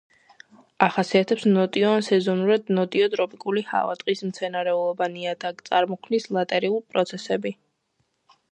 ახასიათებს ნოტიო ან სეზონურად ნოტიო ტროპიკული ჰავა, ტყის მცენარეულობა, ნიადაგთწარმოქმნის ლატერიტულ პროცესები.